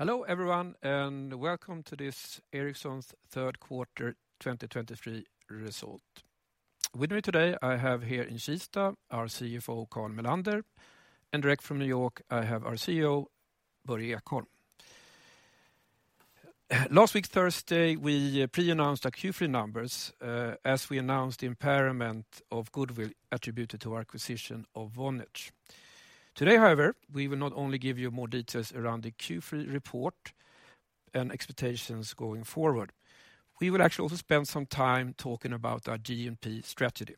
Hello, everyone, and welcome to this Ericsson's third quarter 2023 result. With me today, I have here in Nyquist, our CFO, Carl Mellander, and direct from New York, I have our CEO, Börje Ekholm. Last week, Thursday, we pre-announced our Q3 numbers as we announced the impairment of goodwill attributed to our acquisition of Vonage. Today, however, we will not only give you more details around the Q3 report and expectations going forward, we will actually also spend some time talking about our GNP strategy.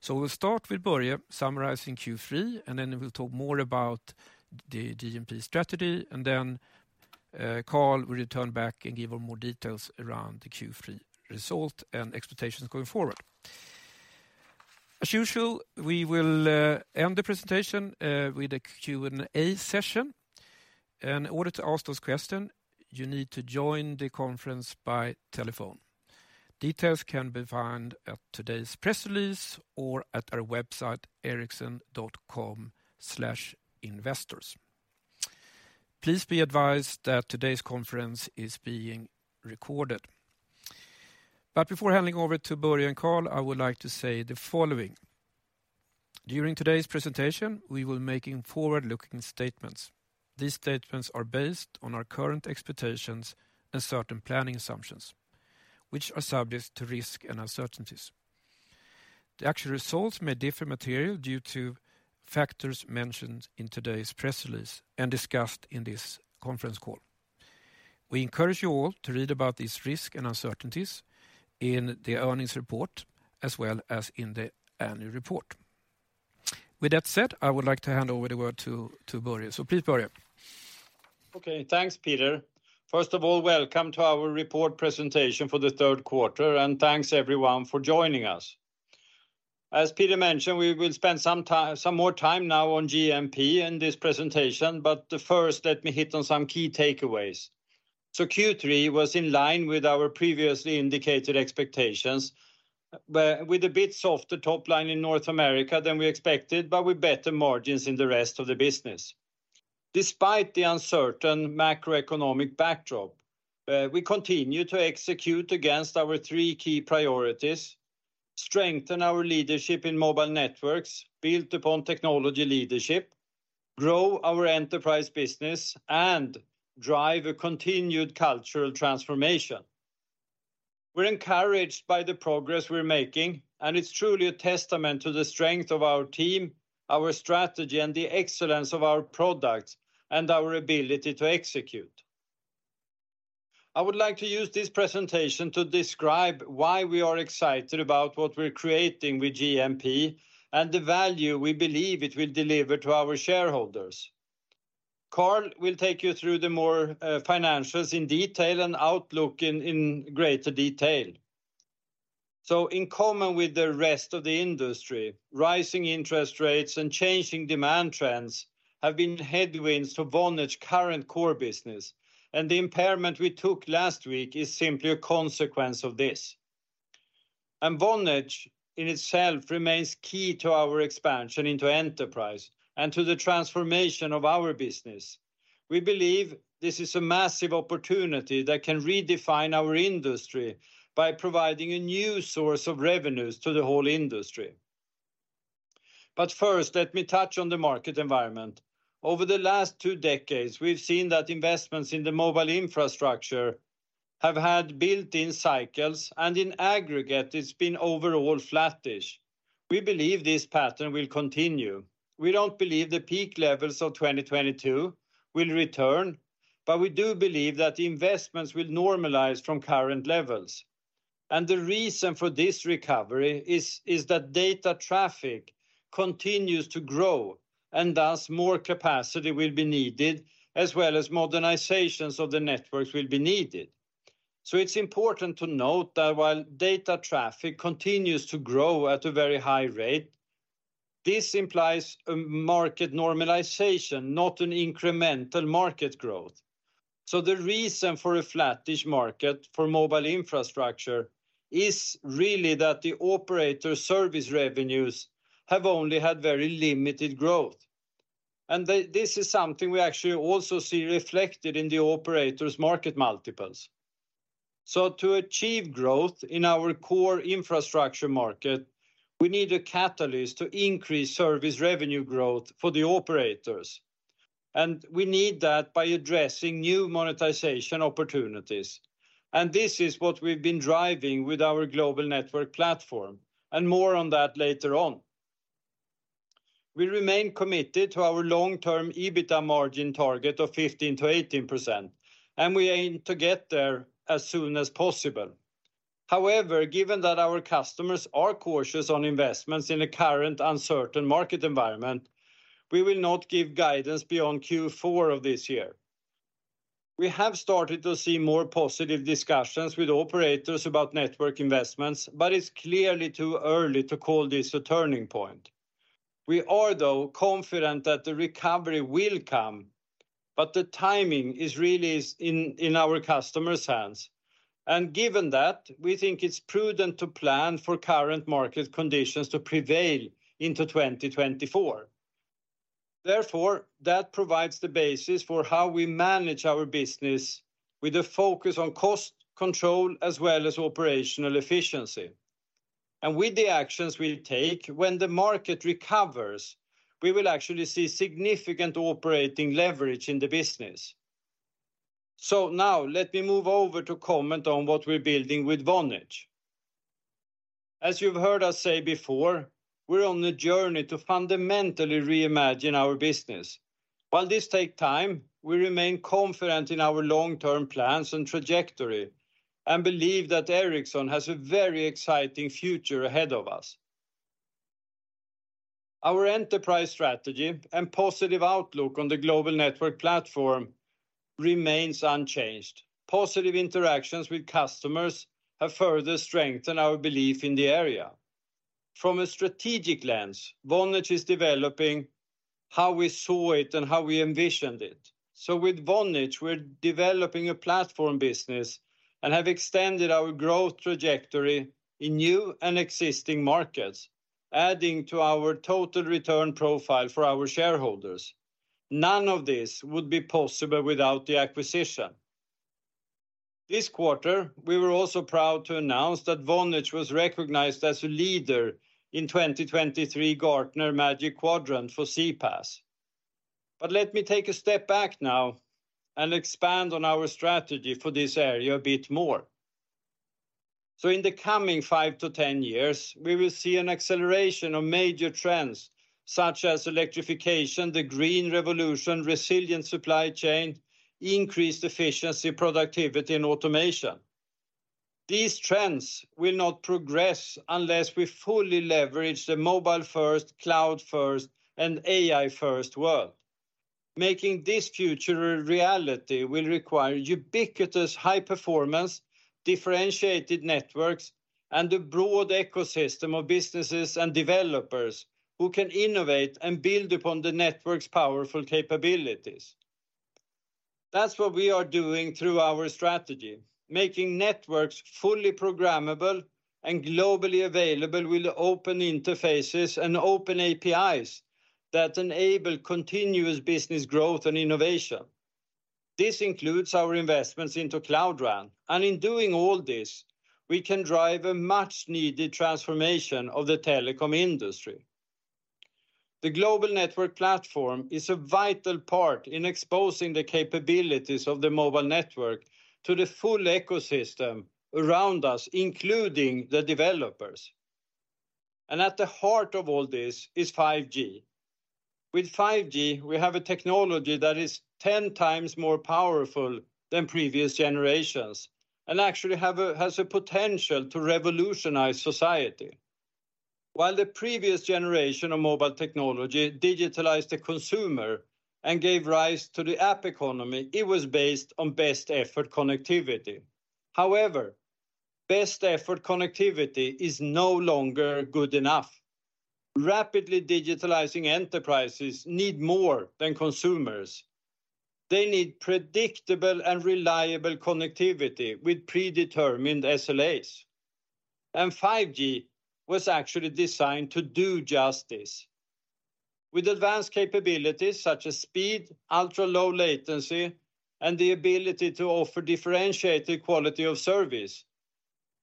So we'll start with Börje summarizing Q3, and then we'll talk more about the GNP strategy. And then, Carl will return back and give us more details around the Q3 result and expectations going forward. As usual, we will end the presentation with a Q&A session. In order to ask those questions, you need to join the conference by telephone. Details can be found at today's press release or at our website, ericsson.com/investors. Please be advised that today's conference is being recorded. But before handing over to Börje and Carl, I would like to say the following: During today's presentation, we will be making forward-looking statements. These statements are based on our current expectations and certain planning assumptions, which are subject to risk and uncertainties. The actual results may differ materially due to factors mentioned in today's press release and discussed in this conference call. We encourage you all to read about these risks and uncertainties in the earnings report, as well as in the annual report. With that said, I would like to hand over the word to Börje. So please, Börje. Okay, thanks, Peter. First of all, welcome to our report presentation for the third quarter, and thanks, everyone, for joining us. As Peter mentioned, we will spend some time, some more time now on GNP in this presentation, but first, let me hit on some key takeaways. So Q3 was in line with our previously indicated expectations, with a bit softer top line in North America than we expected, but with better margins in the rest of the business. Despite the uncertain macroeconomic backdrop, we continue to execute against our three key priorities: strengthen our leadership in mobile networks, built upon technology leadership, grow our enterprise business, and drive a continued cultural transformation. We're encouraged by the progress we're making, and it's truly a testament to the strength of our team, our strategy, and the excellence of our products and our ability to execute. I would like to use this presentation to describe why we are excited about what we're creating with GNP and the value we believe it will deliver to our shareholders. Carl will take you through the more financials in detail and outlook in greater detail. So in common with the rest of the industry, rising interest rates and changing demand trends have been headwinds to Vonage's current core business, and the impairment we took last week is simply a consequence of this. And Vonage, in itself, remains key to our expansion into enterprise and to the transformation of our business. We believe this is a massive opportunity that can redefine our industry by providing a new source of revenues to the whole industry. But first, let me touch on the market environment. Over the last two decades, we've seen that investments in the mobile infrastructure have had built-in cycles, and in aggregate, it's been overall flattish. We believe this pattern will continue. We don't believe the peak levels of 2022 will return, but we do believe that the investments will normalize from current levels. The reason for this recovery is that data traffic continues to grow, and thus more capacity will be needed, as well as modernizations of the networks will be needed. It's important to note that while data traffic continues to grow at a very high rate, this implies a market normalization, not an incremental market growth. The reason for a flattish market for mobile infrastructure is really that the operator service revenues have only had very limited growth. They, this is something we actually also see reflected in the operators' market multiples. So to achieve growth in our core infrastructure market, we need a catalyst to increase service revenue growth for the operators, and we need that by addressing new monetization opportunities. This is what we've been driving with our Global Network Platform, and more on that later on. We remain committed to our long-term EBITDA margin target of 15%-18%, and we aim to get there as soon as possible. However, given that our customers are cautious on investments in the current uncertain market environment, we will not give guidance beyond Q4 of this year. We have started to see more positive discussions with operators about network investments, but it's clearly too early to call this a turning point. We are, though, confident that the recovery will come, but the timing is really in our customer's hands. Given that, we think it's prudent to plan for current market conditions to prevail into 2024. Therefore, that provides the basis for how we manage our business with a focus on cost control, as well as operational efficiency. With the actions we'll take, when the market recovers, we will actually see significant operating leverage in the business. Now let me move over to comment on what we're building with Vonage. As you've heard us say before, we're on a journey to fundamentally reimagine our business. While this take time, we remain confident in our long-term plans and trajectory, and believe that Ericsson has a very exciting future ahead of us. Our Enterprise Strategy and positive outlook on the Global Network Platform remains unchanged. Positive interactions with customers have further strengthened our belief in the area. From a strategic lens, Vonage is developing how we saw it and how we envisioned it. So with Vonage, we're developing a Platform Business and have extended our growth trajectory in new and existing markets, adding to our total return profile for our shareholders. None of this would be possible without the acquisition. This quarter, we were also proud to announce that Vonage was recognized as a leader in 2023 Gartner Magic Quadrant for CPaaS. But let me take a step back now and expand on our strategy for this area a bit more. So in the coming five-10 years, we will see an acceleration of major trends such as electrification, the green revolution, resilient supply chain, increased efficiency, productivity, and automation. These trends will not progress unless we fully leverage the mobile-first, cloud-first, and AI-first world. Making this future a reality will require ubiquitous, high-performance, differentiated networks, and a broad ecosystem of businesses and developers who can innovate and build upon the network's powerful capabilities. That's what we are doing through our strategy, making networks fully programmable and globally available with open interfaces and open APIs that enable continuous business growth and innovation. This includes our investments into Cloud RAN, and in doing all this, we can drive a much-needed transformation of the telecom industry. The Global Network Platform is a vital part in exposing the capabilities of the mobile network to the full ecosystem around us, including the developers, and at the heart of all this is 5G. With 5G, we have a technology that is 10x more powerful than previous generations and actually has a potential to revolutionize society. While the previous generation of mobile technology digitalized the consumer and gave rise to the app economy, it was based on best-effort connectivity. However, best-effort connectivity is no longer good enough. Rapidly digitalizing enterprises need more than consumers. They need predictable and reliable connectivity with predetermined SLAs, and 5G was actually designed to do just this. With advanced capabilities such as speed, ultra-low latency, and the ability to offer differentiated Quality-on-Service,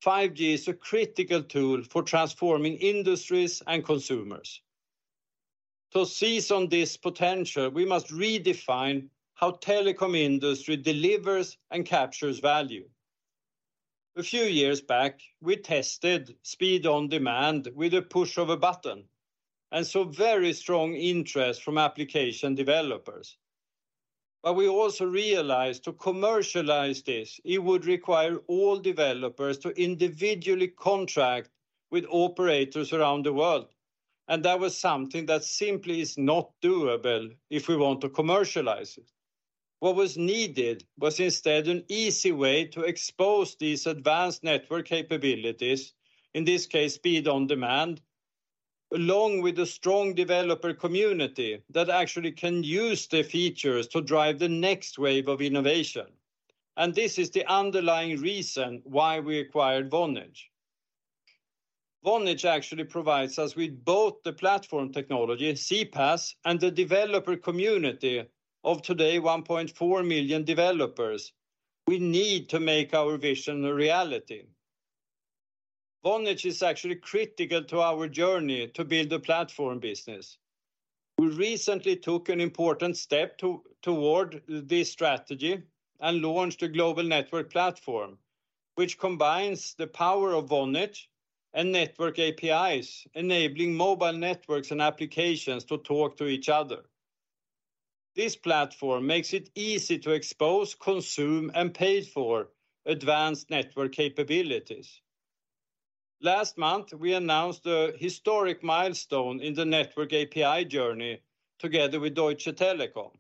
5G is a critical tool for transforming industries and consumers. To seize on this potential, we must redefine how telecom industry delivers and captures value. A few years back, we tested Speed on Demand with a push of a button and saw very strong interest from application developers. But we also realized to commercialize this, it would require all developers to individually contract with operators around the world, and that was something that simply is not doable if we want to commercialize it. What was needed was instead an easy way to expose these advanced network capabilities, in this case, Speed on Demand, along with a strong developer community that actually can use the features to drive the next wave of innovation, and this is the underlying reason why we acquired Vonage. Vonage actually provides us with both the platform technology, CPaaS, and the developer community 1.4 million developers. we need to make our vision a reality. Vonage is actually critical to our journey to build a Platform Business. We recently took an important step toward this strategy and launched a Global Network Platform, which combines the power of Vonage and Network APIs, enabling mobile networks and applications to talk to each other. This platform makes it easy to expose, consume, and pay for advanced network capabilities. Last month, we announced a historic milestone in the network API journey together with Deutsche Telekom.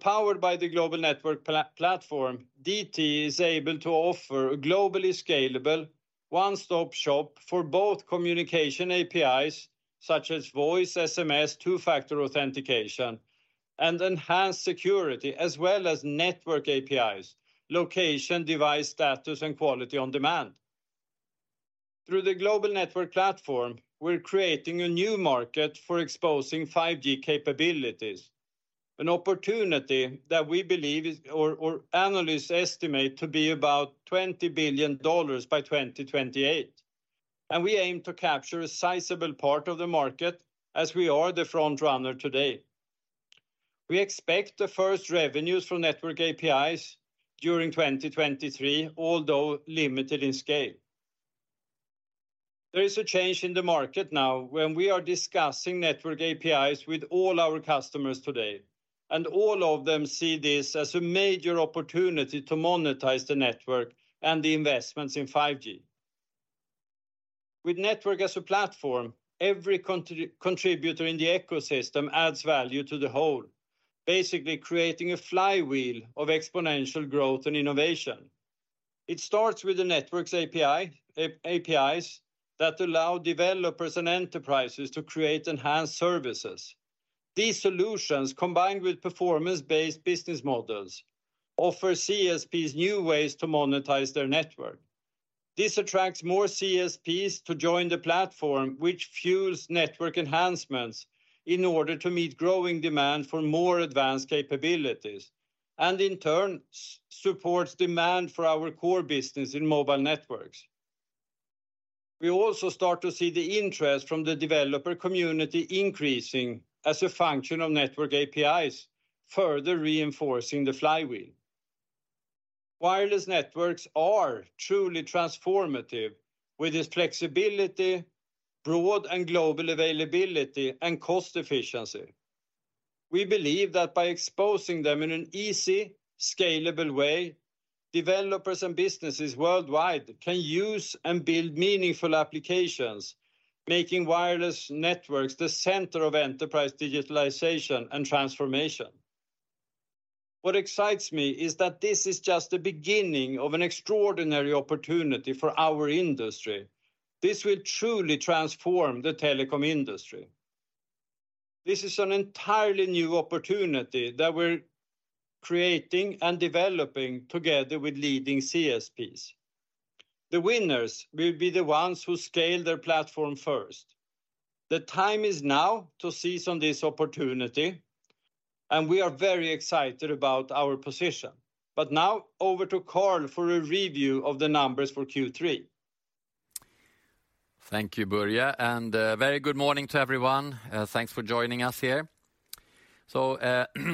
Powered by the Global Network Platform, DT is able to offer a globally scalable, one-stop shop for both communication APIs, such as voice, SMS, Two-Factor Authentication and enhanced security, as well as Network APIs, location, device status, and Quality on Demand. Through the Global Network Platform, we're creating a new market for exposing 5G capabilities, an opportunity that we believe is or analysts estimate to be about $20 billion by 2028. We aim to capture a sizable part of the market as we are the front runner today. We expect the first revenues from Network APIs during 2023, although limited in scale. There is a change in the market now when we are discussing Network APIs with all our customers today, and all of them see this as a major opportunity to monetize the network and the investments in 5G. With Network as a Platform, every contributor in the ecosystem adds value to the whole, basically creating a flywheel of exponential growth and innovation. It starts with the networks API, APIs that allow developers and enterprises to create enhanced services. These solutions, combined with Performance-Based Business Models, offer CSPs new ways to monetize their network. This attracts more CSPs to join the platform, which fuels network enhancements in order to meet growing demand for more advanced capabilities, and in turn, supports demand for our core business in mobile networks. We also start to see the interest from the developer community increasing as a function of Network APIs, further reinforcing the flywheel. Wireless networks are truly transformative, with its flexibility, broad and global availability, and cost efficiency. We believe that by exposing them in an easy, scalable way, developers and businesses worldwide can use and build meaningful applications, making wireless networks the center of enterprise digitalization and transformation. What excites me is that this is just the beginning of an extraordinary opportunity for our industry. This will truly transform the telecom industry. This is an entirely new opportunity that we're creating and developing together with leading CSPs. The winners will be the ones who scale their platform first. The time is now to seize on this opportunity, and we are very excited about our position. But now over to Carl for a review of the numbers for Q3. Thank you, Börje, and very good morning to everyone. Thanks for joining us here. So,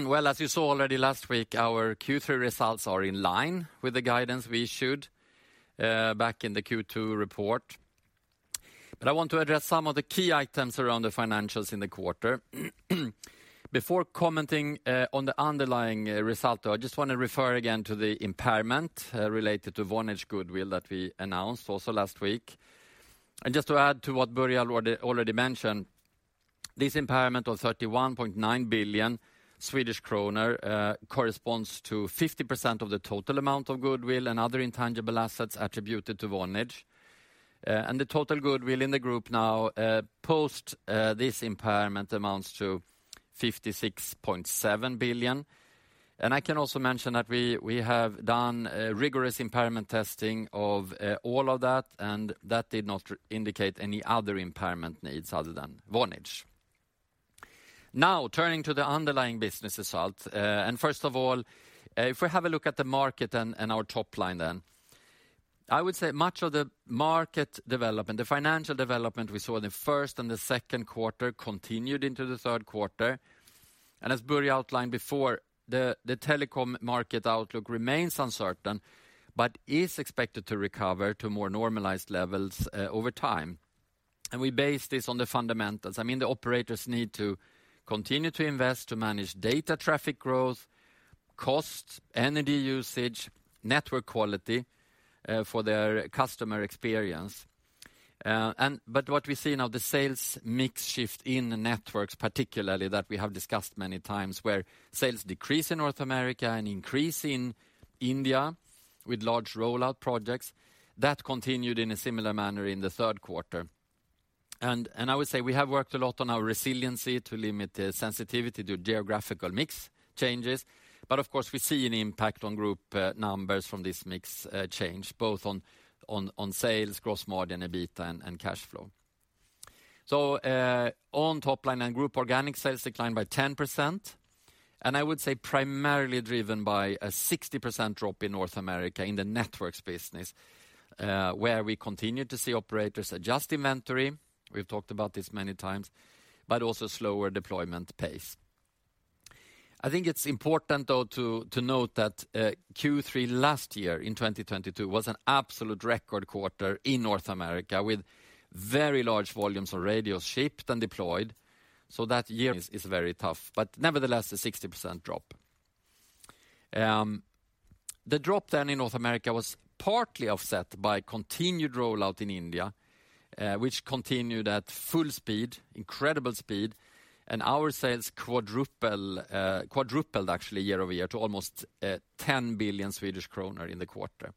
well, as you saw already last week, our Q3 results are in line with the guidance we issued back in the Q2 report. But I want to address some of the key items around the financials in the quarter. Before commenting on the underlying result, though, I just wanna refer again to the impairment related to Vonage goodwill that we announced also last week. And just to add to what Börje already mentioned, this impairment of 31.9 billion Swedish kronor corresponds to 50% of the total amount of goodwill and other intangible assets attributed to Vonage. And the total goodwill in the group now, post this impairment amounts to 56.7 billion. I can also mention that we, we have done, rigorous impairment testing of, all of that, and that did not indicate any other impairment needs other than Vonage. Now, turning to the underlying business result. First of all, if we have a look at the market and, and our top line then, I would say much of the market development, the financial development we saw in the first and the second quarter continued into the third quarter. As Börje outlined before, the, the telecom market outlook remains uncertain, but is expected to recover to more normalized levels, over time, and we base this on the fundamentals. I mean, the operators need to continue to invest to manage data traffic growth, costs, energy usage, network quality, for their customer experience. And but what we see now, the sales mix shift in the Networks, particularly that we have discussed many times, where sales decrease in North America and increase in India with large rollout projects, that continued in a similar manner in the third quarter. And I would say we have worked a lot on our resiliency to limit the sensitivity to geographical mix changes. But of course, we see an impact on Group numbers from this mix change, both on sales, gross margin, and EBITDA and cash flow. So, on top line and Group Organic Sales declined by 10%, and I would say primarily driven by a 60% drop in North America in the Networks business, where we continue to see operators adjust inventory, we've talked about this many times, but also slower deployment pace. I think it's important, though, to note that Q3 last year, in 2022, was an absolute record quarter in North America, with very large volumes of radios shipped and deployed. So that year is very tough, but nevertheless, a 60% drop. The drop then in North America was partly offset by continued rollout in India, which continued at full speed, incredible speed, and our sales quadrupled actually year-over-year to almost 10 billion Swedish kronor in the quarter.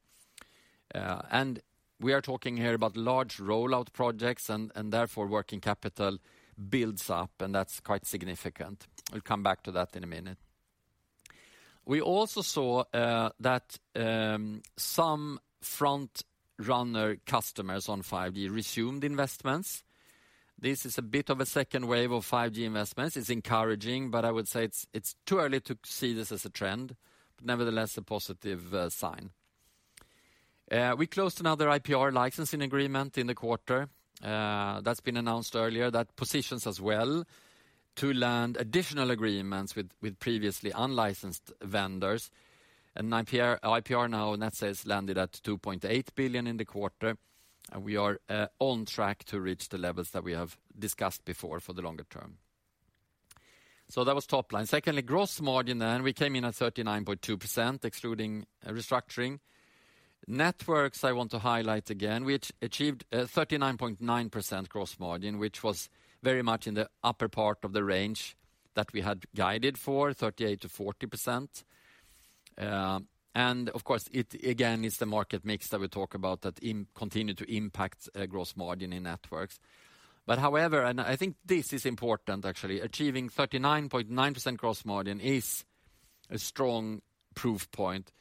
And we are talking here about large rollout projects and therefore working capital builds up, and that's quite significant. I'll come back to that in a minute. We also saw that some front runner customers on 5G resumed investments. This is a bit of a second wave of 5G investments. It's encouraging, but I would say it's, it's too early to see this as a trend. But nevertheless, a positive sign. We closed another IPR Licensing agreement in the quarter. That's been announced earlier. That positions us well to land additional agreements with, with previously unlicensed vendors. And IPR, IPR now net sales landed at 2.8 billion in the quarter, and we are on track to reach the levels that we have discussed before for the longer term. So that was top line. Secondly, gross margin, and we came in at 39.2%, excluding restructuring. Networks, I want to highlight again, which achieved a 39.9% gross margin, which was very much in the upper part of the range that we had guided for, 38%-40%. And of course, it again is the market mix that we talk about, that continue to impact gross margin in Networks. But however, and I think this is important actually, achieving 39.9% gross margin is a strong proof point,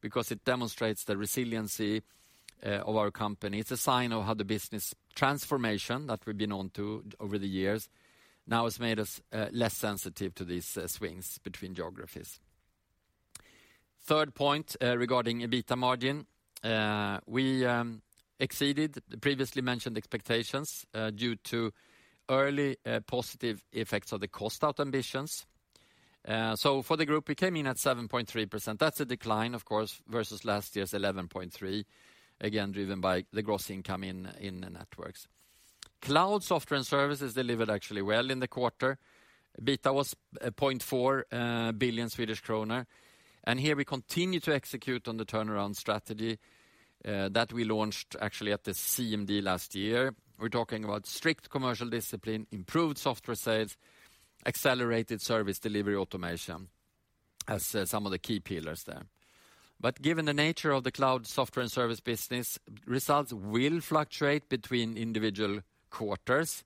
because it demonstrates the resiliency of our company. It's a sign of how the business transformation that we've been on to over the years now has made us less sensitive to these swings between geographies. Third point, regarding EBITDA margin. We exceeded the previously mentioned expectations due to early positive effects of the cost out ambitions. So for the group, we came in at 7.3%. That's a decline, of course, versus last year's 11.3%, again, driven by the gross income in the Networks. Cloud Software and Services delivered actually well in the quarter. EBITDA was 0.4 billion Swedish kronor, and here we continue to execute on the turnaround strategy that we launched actually at the CMD last year. We're talking about strict commercial discipline, improved software sales, accelerated service delivery automation, as some of the key pillars there. But given the nature of the cloud software and service business, results will fluctuate between individual quarters.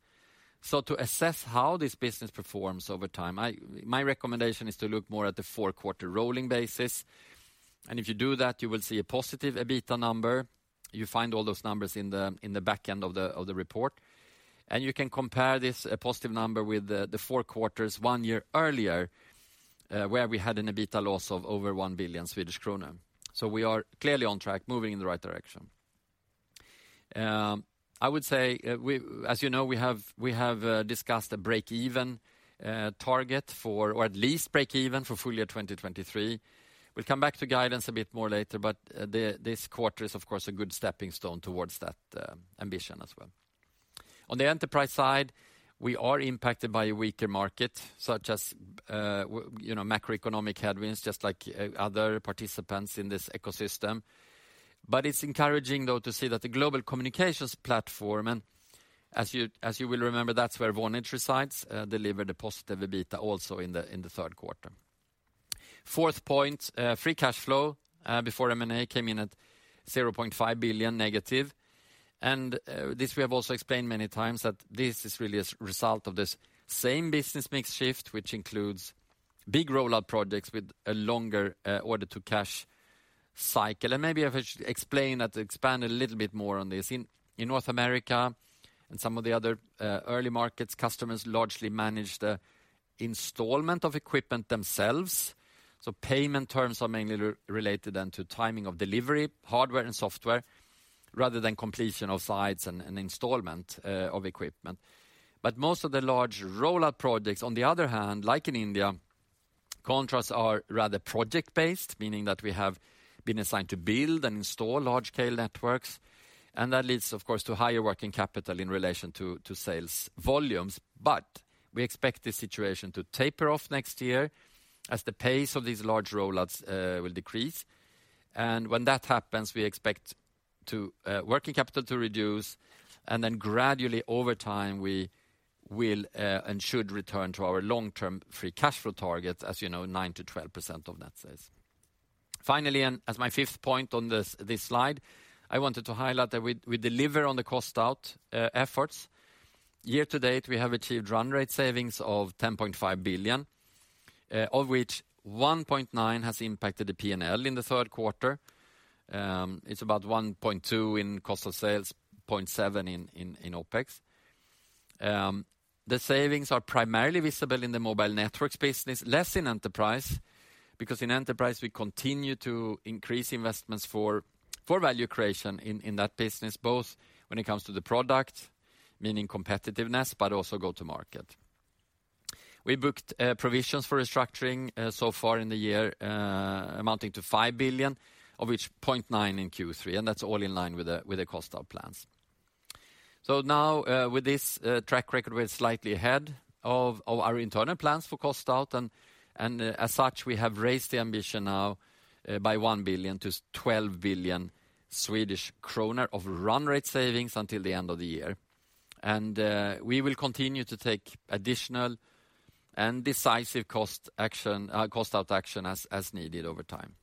So to assess how this business performs over time, my recommendation is to look more at the four-quarter rolling basis, and if you do that, you will see a positive EBITDA number. You find all those numbers in the back end of the report, and you can compare this positive number with the four quarters one year earlier, where we had an EBITDA loss of over 1 billion Swedish kronor. So we are clearly on track, moving in the right direction. I would say, as you know, we have discussed a break even target for, or at least break even, for full year 2023. We'll come back to guidance a bit more later, but this quarter is, of course, a good stepping stone towards that ambition as well. On the enterprise side, we are impacted by a weaker market, such as you know, macroeconomic headwinds, just like other participants in this ecosystem. But it's encouraging, though, to see that the Global Communications Platform, and as you will remember, that's where Vonage resides, delivered a positive EBITDA also in the third quarter. Fourth point, free cash flow before M&A came in at -0.5 billion. And, this we have also explained many times, that this is really a result of this same business mix shift, which includes big rollout projects with a longer order-to-cash cycle. And maybe if I should explain that, expand a little bit more on this. In North America and some of the other early markets, customers largely manage the installation of equipment themselves. So payment terms are mainly related then to timing of delivery, hardware and software, rather than completion of sites and installation of equipment. But most of the large rollout projects, on the other hand, like in India, contracts are rather project-based, meaning that we have been assigned to build and install large-scale networks, and that leads, of course, to higher working capital in relation to sales volumes. But we expect this situation to taper off next year, as the pace of these large rollouts will decrease. And when that happens, we expect to working capital to reduce, and then gradually over time, we will and should return to our long-term free cash flow target, as you know, 9%-12% of net sales. Finally, and as my fifth point on this slide, I wanted to highlight that we deliver on the cost out efforts. Year to date, we have achieved run rate savings of 10.5 billion, of which 1.9 billion has impacted the P&L in the third quarter. It's about 1.2 billion in cost of sales, 0.7 billion in OpEx. The savings are primarily visible in the mobile networks business, less in enterprise, because in enterprise, we continue to increase investments for value creation in that business, both when it comes to the product, meaning competitiveness, but also go to market. We booked provisions for restructuring so far in the year, amounting to 5 billion, of which 0.9 in Q3, and that's all in line with the cost out plans. So now, with this track record, we're slightly ahead of our internal plans for cost out, and as such, we have raised the ambition now by 1 billion to 12 billion Swedish krona of run rate savings until the end of the year... and we will continue to take additional and decisive cost action, cost out action as needed over time.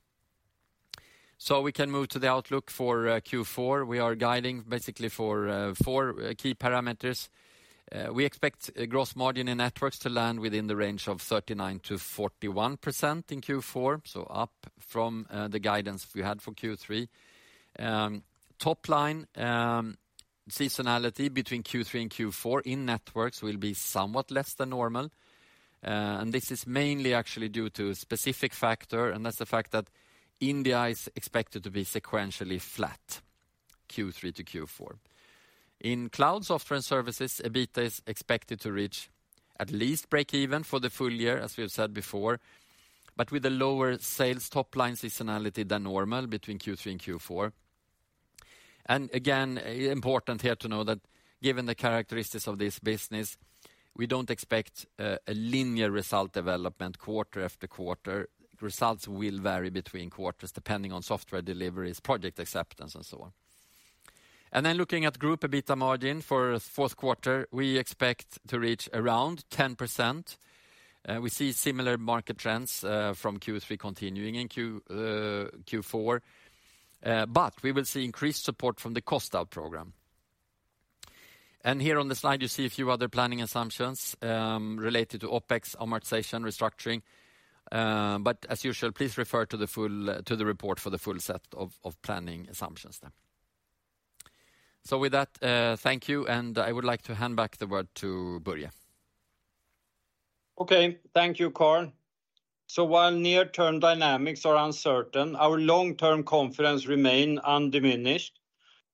So we can move to the outlook for Q4. We are guiding basically for 4 key parameters. We expect a gross margin in Networks to land within the range of 39%-41% in Q4, so up from the guidance we had for Q3. Top line seasonality between Q3 and Q4 in Networks will be somewhat less than normal. And this is mainly actually due to a specific factor, and that's the fact that India is expected to be sequentially flat, Q3 to Q4. In Cloud Software and Services, EBITDA is expected to reach at least break even for the full year, as we have said before, but with a lower sales top line seasonality than normal between Q3 and Q4. And again, important here to know that given the characteristics of this business, we don't expect a linear result development quarter after quarter. Results will vary between quarters, depending on software deliveries, project acceptance, and so on. And then looking at group EBITDA margin for fourth quarter, we expect to reach around 10%. We see similar market trends from Q3 continuing in Q4. But we will see increased support from the cost out program. And here on the slide, you see a few other planning assumptions related to OpEx, amortization, restructuring. But as usual, please refer to the full to the report for the full set of planning assumptions then. So with that, thank you, and I would like to hand back the word to Börje. Okay. Thank you, Carl. So while near-term dynamics are uncertain, our long-term confidence remain undiminished.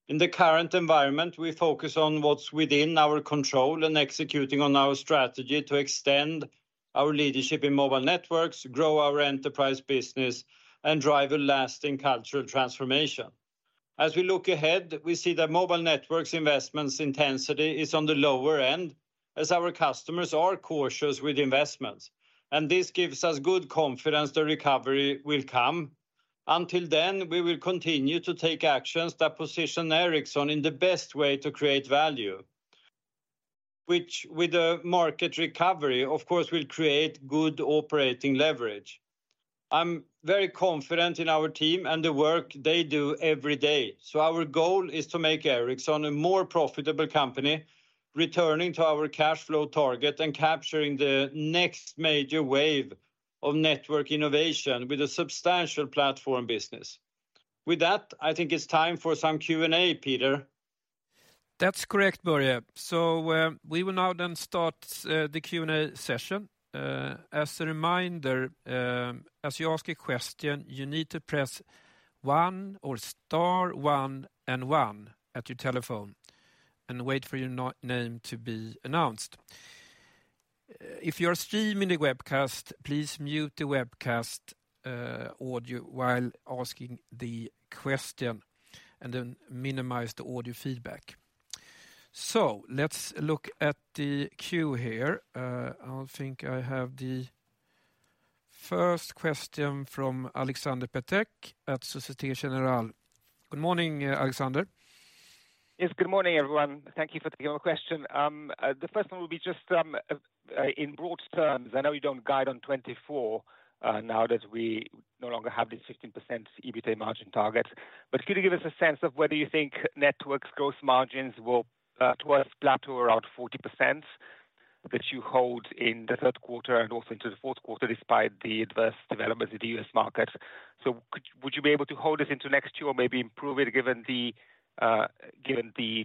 In the current environment, we focus on what's within our control and executing on our strategy to extend our leadership in mobile networks, grow our enterprise business, and drive a lasting cultural transformation. As we look ahead, we see that mobile networks investments intensity is on the lower end, as our customers are cautious with investments. And this gives us good confidence the recovery will come. Until then, we will continue to take actions that position Ericsson in the best way to create value, which with a market recovery, of course, will create good operating leverage. I'm very confident in our team and the work they do every day. Our goal is to make Ericsson a more profitable company, returning to our cash flow target and capturing the next major wave of network innovation with a substantial Platform Business. With that, I think it's time for some Q&A, Peter. That's correct, Börje. So, we will now then start the Q&A session. As a reminder, as you ask a question, you need to press one or star one and one at your telephone and wait for your name to be announced. If you are streaming the webcast, please mute the webcast audio while asking the question, and then minimize the audio feedback. So let's look at the queue here. I think I have the first question from Alexander Peterc at Société Générale. Good morning, Aleksander? Yes, good morning, everyone. Thank you for taking our question. The first one will be just, in broad terms, I know you don't guide on 2024, now that we no longer have the 15% EBITDA margin target. But could you give us a sense of whether you think networks gross margins will towards plateau around 40%, that you hold in the third quarter and also into the fourth quarter, despite the adverse developments in the U.S. market? So, would you be able to hold it into next year or maybe improve it, given the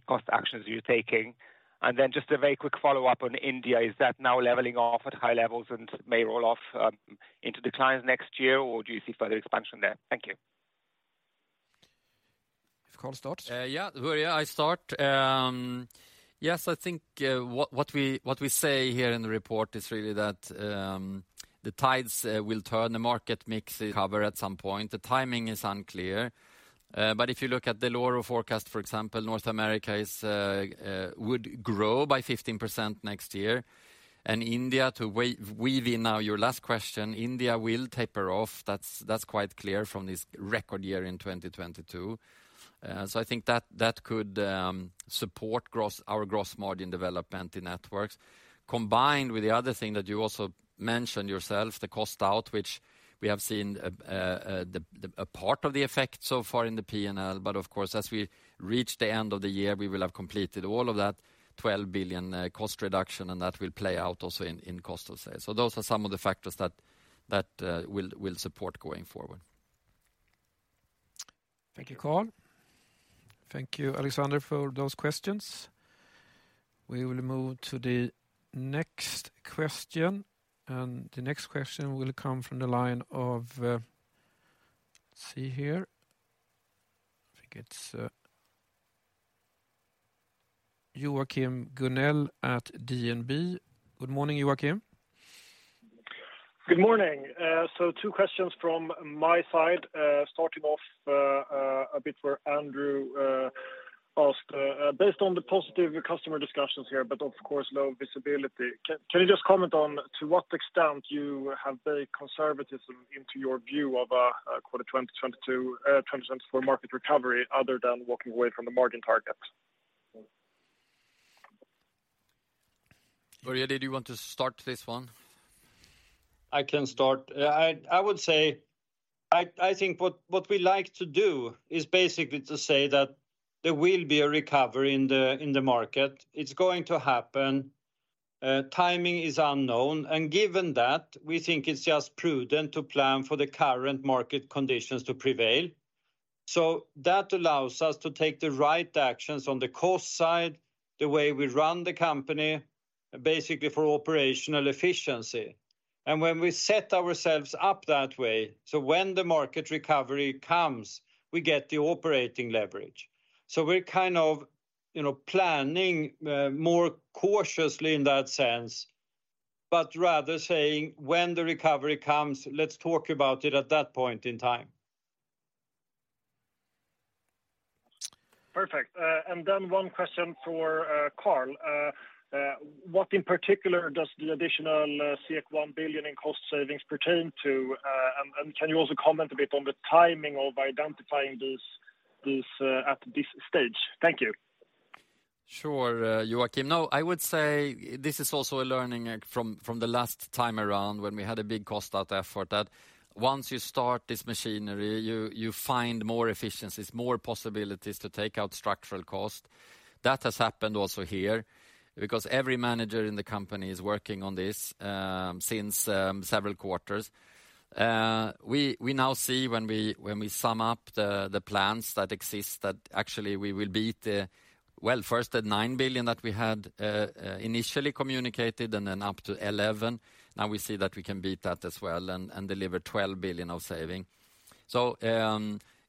cost actions you're taking? And then just a very quick follow-up on India. Is that now leveling off at high levels and may roll off into declines next year, or do you see further expansion there? Thank you. If Carl starts. Yeah, Börje, I start. Yes, I think what we say here in the report is really that the tides will turn, the market mix recover at some point. The timing is unclear. But if you look at the lower forecast, for example, North America would grow by 15% next year. And India, to weave in now your last question, India will taper off. That's quite clear from this record year in 2022. So I think that could support our gross margin development in Networks. Combined with the other thing that you also mentioned yourself, the cost out, which we have seen, a part of the effect so far in the P&L. But of course, as we reach the end of the year, we will have completed all of that 12 billion cost reduction, and that will play out also in cost of sales. So those are some of the factors that will support going forward. Thank you, Carl. Thank you, Alexander, for those questions. We will move to the next question, and the next question will come from the line of, let's see here. I think it's, Joachim Gunell at DNB. Good morning, Joachim? Good morning. So two questions from my side, starting off a bit where Andrew asked. Based on the positive customer discussions here, but of course, low visibility, can you just comment on to what extent you have built conservatism into your view of quarter 2022, 2024 market recovery, other than walking away from the margin target? Börje, do you want to start this one? I can start. I would say I think what we like to do is basically to say that there will be a recovery in the market. It's going to happen. Timing is unknown, and given that, we think it's just prudent to plan for the current market conditions to prevail. So that allows us to take the right actions on the cost side, the way we run the company, basically for operational efficiency. And when we set ourselves up that way, so when the market recovery comes, we get the operating leverage. So we're kind of, you know, planning more cautiously in that sense, but rather saying, "When the recovery comes, let's talk about it at that point in time. Perfect. And then one question for Carl. What in particular does the additional 1 billion in cost savings pertain to? And can you also comment a bit on the timing of identifying this at this stage? Thank you. Sure, Joachim. No, I would say this is also a learning from, from the last time around when we had a big cost out effort, that once you start this machinery, you, you find more efficiencies, more possibilities to take out structural cost. That has happened also here, because every manager in the company is working on this, since several quarters. We now see when we sum up the plans that exist, that actually we will beat the. Well, first the 9 billion that we had initially communicated, and then up to 11 billion, now we see that we can beat that as well and deliver 12 billion of saving. So,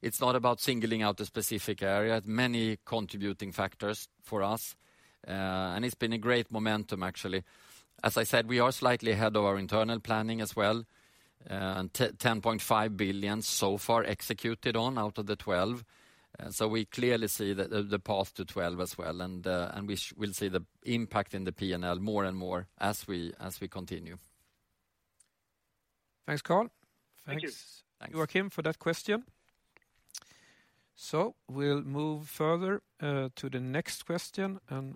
it's not about singling out a specific area. Many contributing factors for us, and it's been a great momentum, actually. As I said, we are slightly ahead of our internal planning as well. 10.5 billion so far executed out of the 12, so we clearly see the path to 12 as well, and we will see the impact in the P&L more and more as we continue. Thanks, Carl. Thank you. Thanks, Joachim, for that question. So we'll move further to the next question, and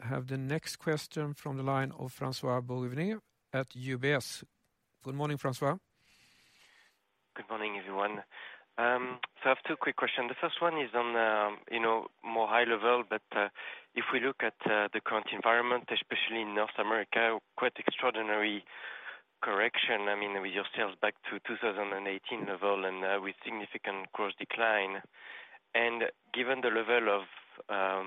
have the next question from the line of François Bouvignies at UBS. Good morning, François. Good morning, everyone. So I have two quick questions. The first one is on, you know, more high level, but if we look at the current environment, especially in North America, quite extraordinary correction. I mean, with yourselves back to 2018 level and with significant gross decline. And given the level of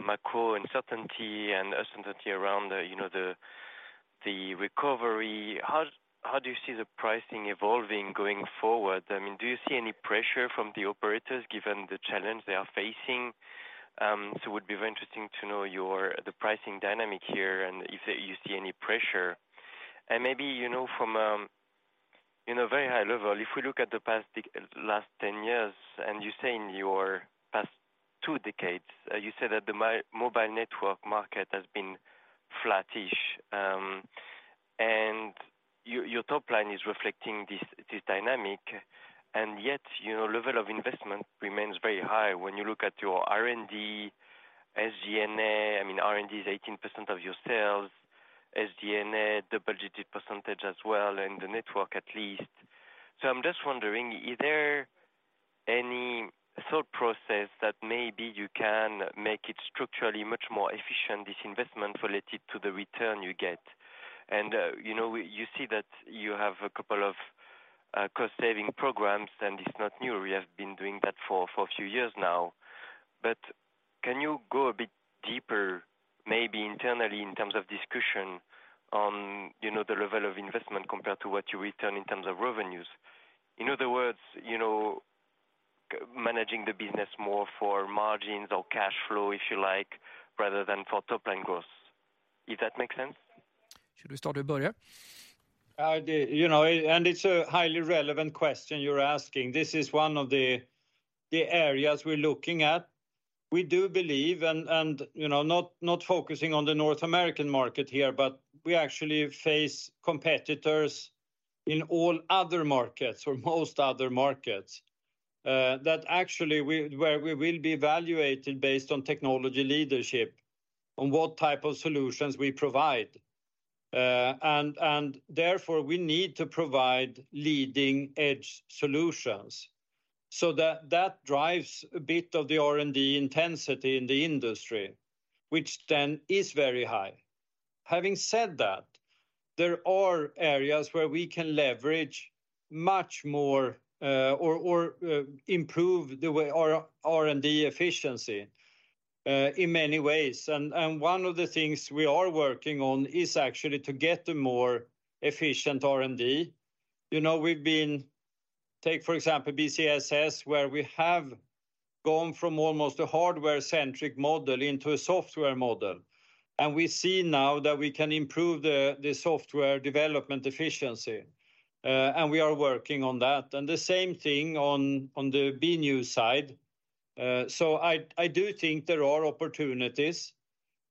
macro uncertainty and uncertainty around the, you know, the recovery, how do you see the pricing evolving going forward? I mean, do you see any pressure from the operators, given the challenge they are facing? So it would be very interesting to know your, the pricing dynamic here, and if you see any pressure. Maybe, you know, from, in a very high level, if we look at the past last 10 years, and you say in your past two decades, you said that the mobile network market has been flattish. And your top line is reflecting this dynamic, and yet, you know, level of investment remains very high. When you look at your R&D, SG&A, I mean, R&D is 18% of your sales, SG&A, double-digit percentage as well, and the network at least. So I'm just wondering, is there any thought process that maybe you can make it structurally much more efficient, this investment, related to the return you get? You know, you see that you have a couple of cost saving programs, and it's not new. We have been doing that for a few years now. Can you go a bit deeper, maybe internally, in terms of discussion on, you know, the level of investment compared to what you return in terms of revenues? In other words, you know, managing the business more for margins or cash flow, if you like, rather than for top line growth, if that makes sense? Should we start with Börje? You know, it's a highly relevant question you're asking. This is one of the areas we're looking at. We do believe, you know, not focusing on the North American market here, but we actually face competitors in all other markets or most other markets where we will be evaluated based on technology leadership, on what type of solutions we provide. And therefore, we need to provide leading-edge solutions. So that drives a bit of the R&D intensity in the industry, which then is very high. Having said that, there are areas where we can leverage much more or improve the way our R&D efficiency in many ways. One of the things we are working on is actually to get a more efficient R&D. You know, we've been—take, for example, BCSS, where we have gone from almost a hardware-centric model into a software model, and we see now that we can improve the, the software development efficiency, and we are working on that. And the same thing on, on the BNO side. So I, I do think there are opportunities,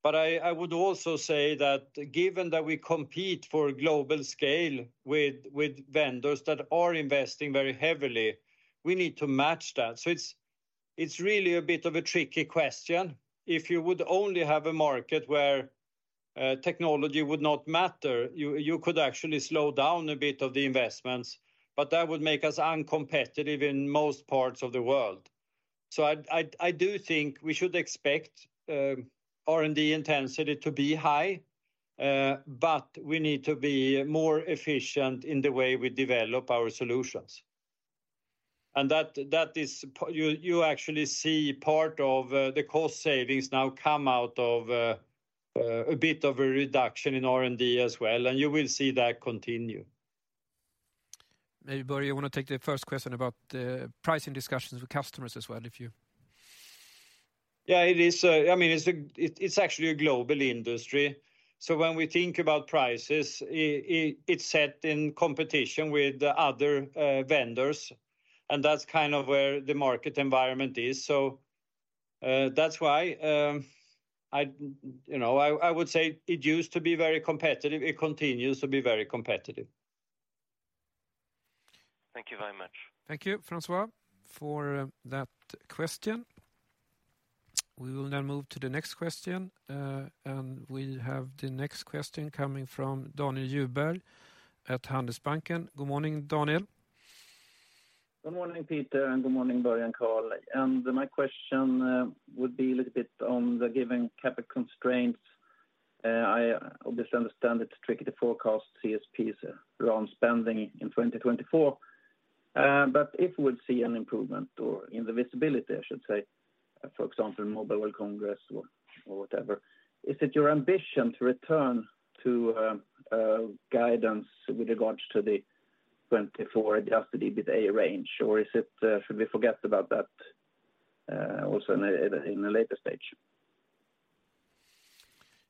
but I, I would also say that given that we compete for global scale with, with vendors that are investing very heavily, we need to match that. So it's—... It's really a bit of a tricky question. If you would only have a market where, technology would not matter, you, you could actually slow down a bit of the investments, but that would make us uncompetitive in most parts of the world. So I do think we should expect R&D intensity to be high, but we need to be more efficient in the way we develop our solutions. And that is, you actually see part of the cost savings now come out of a bit of a reduction in R&D as well, and you will see that continue. Maybe, Börje, you want to take the first question about pricing discussions with customers as well, if you? Yeah, it is, I mean, it's actually a global industry. So when we think about prices, it's set in competition with the other vendors, and that's kind of where the market environment is. So, that's why, you know, I would say it used to be very competitive. It continues to be very competitive. Thank you very much. Thank you, Francois, for that question. We will now move to the next question. We have the next question coming from Daniel Djurberg at Handelsbanken. Good morning, Daniel. Good morning, Peter, and good morning, Börje and Carl. My question would be a little bit on the given capital constraints. I obviously understand it's tricky to forecast CSPs around spending in 2024. But if we'd see an improvement or in the visibility, I should say, for example, Mobile World Congress or whatever, is it your ambition to return to guidance with regards to the 2024 adjusted EBITDA range, or is it should we forget about that also in a later stage?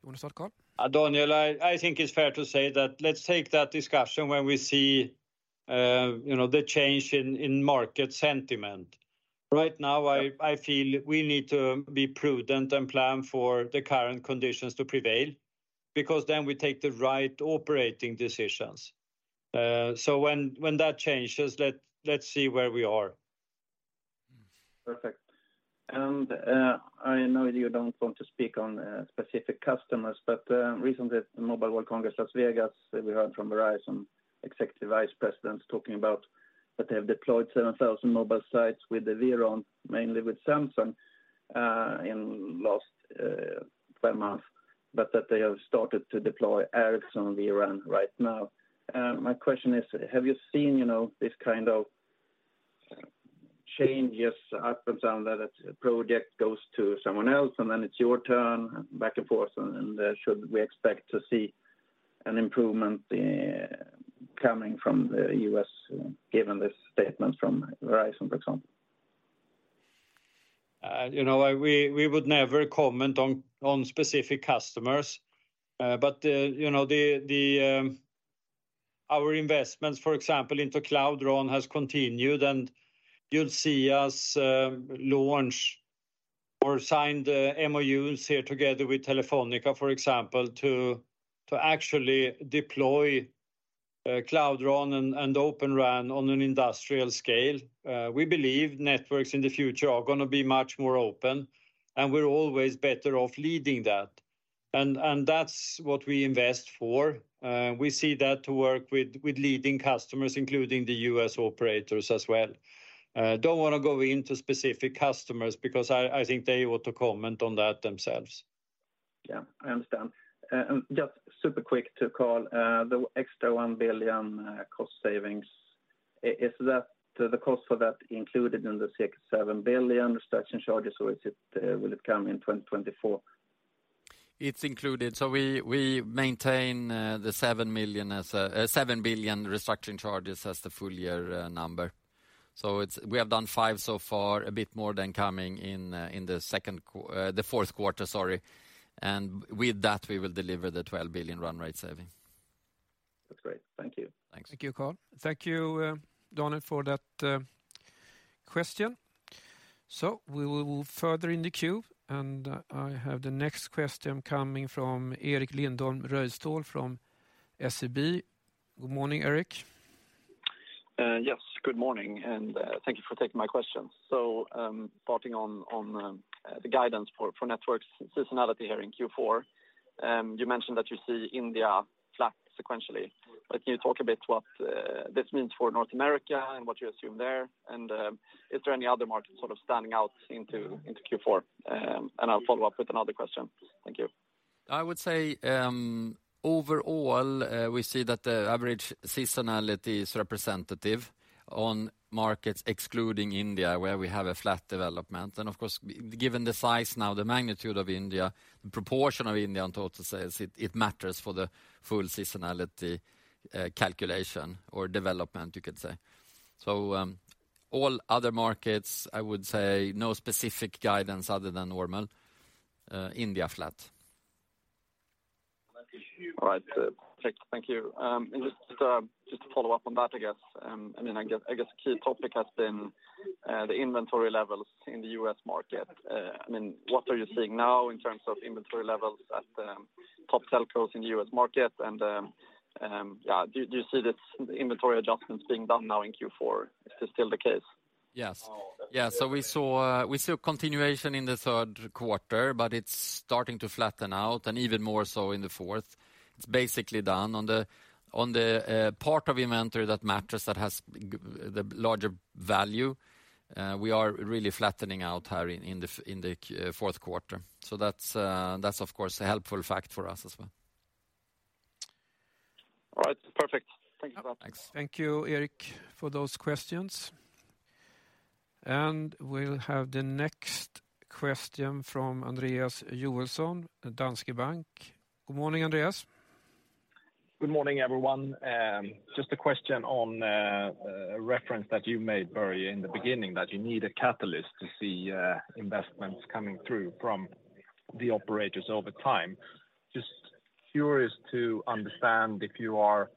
You want to start, Carl? Daniel, I think it's fair to say that let's take that discussion when we see, you know, the change in market sentiment. Right now, I feel we need to be prudent and plan for the current conditions to prevail, because then we take the right operating decisions. So when that changes, let's see where we are. Perfect. And, I know you don't want to speak on, specific customers, but, recently at the Mobile World Congress, Las Vegas, we heard from Verizon executive vice presidents talking about that they have deployed 7,000 mobile sites with the vRAN, mainly with Samsung, in last, 12 months, but that they have started to deploy Ericsson vRAN right now. My question is, have you seen, you know, this kind of changes up and down, that a project goes to someone else, and then it's your turn, back and forth, and, and, should we expect to see an improvement, coming from the US, given this statement from Verizon, for example? You know, we would never comment on specific customers. But you know, our investments, for example, into Cloud RAN has continued, and you'll see us launch or sign the MOUs here together with Telefónica, for example, to actually deploy Cloud RAN and Open RAN on an industrial scale. We believe networks in the future are gonna be much more open, and we're always better off leading that. And that's what we invest for. We see that to work with leading customers, including the US operators as well. Don't wanna go into specific customers because I think they ought to comment on that themselves. Yeah, I understand. Just super quick to Carl, the extra 1 billion cost savings, is that the cost for that included in the 6 billion-7 billion restructuring charges, or will it come in 2024? It's included. So we maintain the 7 million as a 7 billion restructuring charges as the full year number. So it's... We have done 5 billion so far, a bit more than coming in in the fourth quarter, sorry. And with that, we will deliver the 12 billion run rate saving. That's great. Thank you. Thanks. Thank you, Carl. Thank you, Daniel, for that question. We will move further in the queue, and I have the next question coming from Erik Lindholm-Rojestal from SEB. Good morning, Erik. Yes, good morning, and thank you for taking my question. So, starting on the guidance for Networks seasonality here in Q4, you mentioned that you see India flat sequentially. But can you talk a bit what this means for North America and what you assume there? And, is there any other market sort of standing out into Q4? And I'll follow up with another question. Thank you. I would say, overall, we see that the average seasonality is representative on markets excluding India, where we have a flat development. And of course, given the size now, the magnitude of India, the proportion of India on total sales, it, it matters for the full seasonality, calculation or development, you could say. So, all other markets, I would say, no specific guidance other than normal, India flat. All right. Thank you. And just to follow up on that, I guess, I mean, I guess the key topic has been the inventory levels in the U.S. market. I mean, what are you seeing now in terms of inventory levels at the top telcos in the U.S. market? And yeah, do you see this inventory adjustments being done now in Q4? Is this still the case? Yes. Yeah, so we saw continuation in the third quarter, but it's starting to flatten out and even more so in the fourth. It's basically done on the part of inventory that matters, that has the larger value. We are really flattening out here in the fourth quarter. So that's of course a helpful fact for us as well. All right. Perfect. Thank you, guys. Thanks. Thank you, Eric, for those questions. We'll have the next question from Andreas Joelsson at Danske Bank. Good morning, Andreas. Good morning, everyone. Just a question on a reference that you made, Börje, in the beginning, that you need a catalyst to see investments coming through from the operators over time. Just curious to understand if you are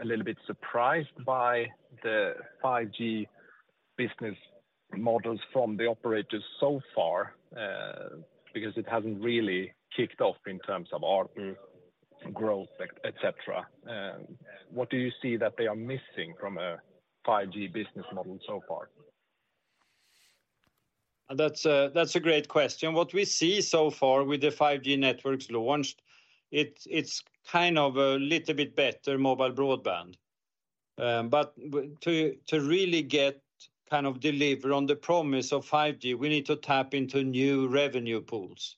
a little bit surprised by the 5G business models from the operators so far, because it hasn't really kicked off in terms of ARPU growth, et cetera. What do you see that they are missing from a 5G business model so far? That's a, that's a great question. What we see so far with the 5G networks launched, it's kind of a little bit better mobile broadband. But to really get kind of deliver on the promise of 5G, we need to tap into new revenue pools,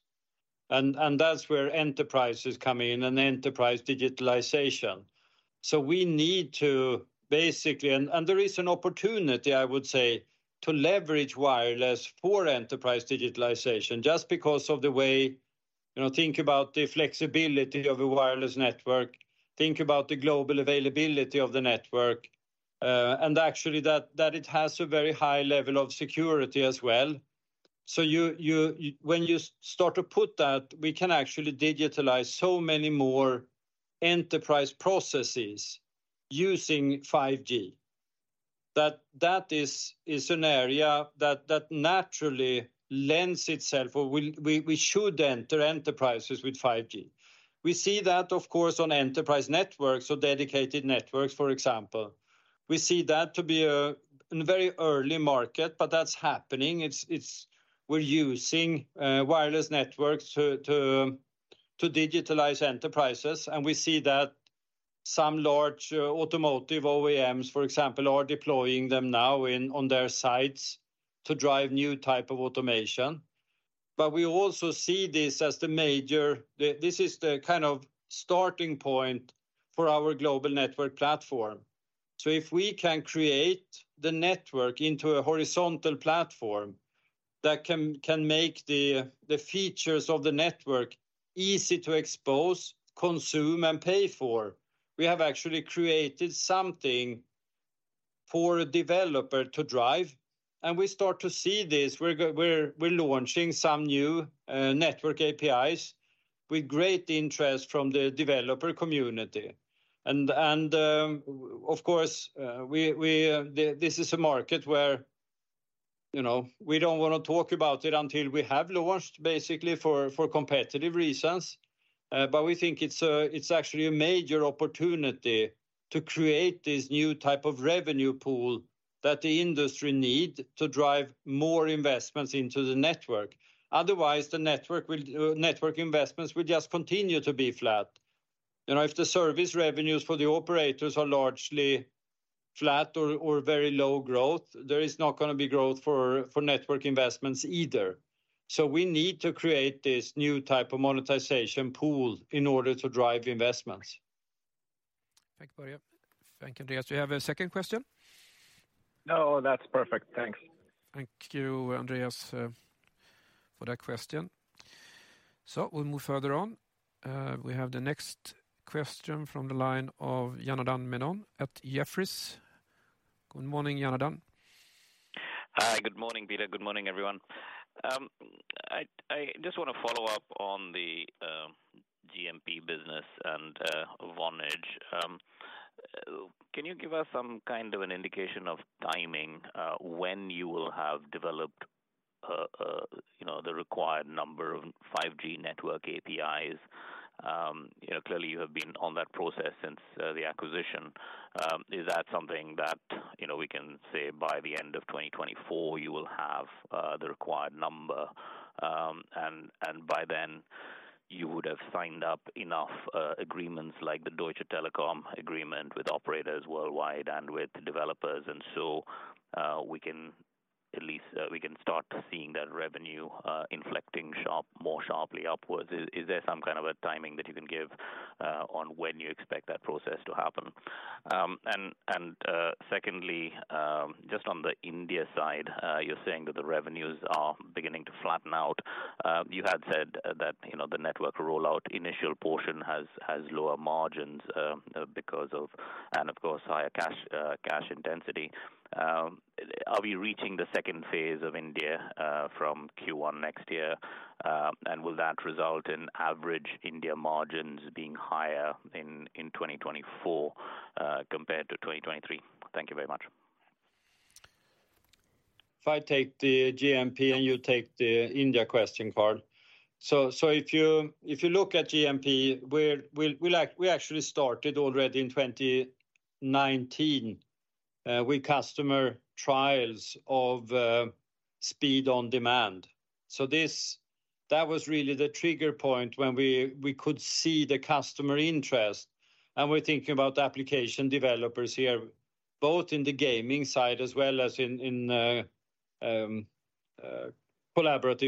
and that's where enterprises come in and enterprise digitalization. So we need to basically and there is an opportunity, I would say, to leverage wireless for enterprise digitalization, just because of the way. You know, think about the flexibility of a wireless network, think about the global availability of the network, and actually, it has a very high level of security as well. So when you start to put that, we can actually digitalize so many more enterprise processes using 5G. That is an area that naturally lends itself or we should enter enterprises with 5G. We see that, of course, on enterprise networks or dedicated networks, for example. We see that to be in a very early market, but that's happening. We're using wireless networks to digitalize enterprises, and we see that some large automotive OEMs, for example, are deploying them now in, on their sites to drive new type of automation. But we also see this as the kind of starting point for our Global Network Platform. So if we can create the network into a horizontal platform that can make the features of the network easy to expose, consume, and pay for, we have actually created something for a developer to drive, and we start to see this. We're launching some new Network APIs with great interest from the developer community. And of course, we... This is a market where, you know, we don't wanna talk about it until we have launched, basically for competitive reasons. But we think it's actually a major opportunity to create this new type of revenue pool that the industry need to drive more investments into the network. Otherwise, network investments will just continue to be flat. You know, if the service revenues for the operators are largely flat or very low growth, there is not gonna be growth for network investments either. So we need to create this new type of monetization pool in order to drive investments. Thank you, Börje. Thank you, Andreas. Do you have a second question? No, that's perfect. Thanks. Thank you, Andreas, for that question. So we'll move further on. We have the next question from the line of Janardan Menon at Jefferies. Good morning, Janardan. Hi. Good morning, Peter. Good morning, everyone. I just want to follow up on the GNP business and Vonage. Can you give us some kind of an indication of timing when you will have developed you know the required number of 5G Network APIs? You know clearly you have been on that process since the acquisition. Is that something that you know we can say by the end of 2024 you will have the required number and by then you would have signed up enough agreements like the Deutsche Telekom agreement with operators worldwide and with developers and so we can at least start seeing that revenue inflecting more sharply upwards. Is there some kind of a timing that you can give on when you expect that process to happen? And secondly, just on the India side, you're saying that the revenues are beginning to flatten out. You had said that, you know, the network rollout initial portion has lower margins because of-- and of course, higher cash intensity. Are we reaching the second phase of India from Q1 next year? And will that result in average India margins being higher in 2024 compared to 2023? Thank you very much. If I take the GNP and you take the India question, Carl. So if you look at GNP, we actually started already in 2019 with customer trials of Speed on Demand. So that was really the trigger point when we could see the customer interest, and we're thinking about application developers here, both in the gaming side as well as in collaborative